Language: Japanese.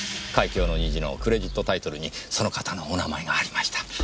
『海峡の虹』のクレジットタイトルにその方のお名前がありました。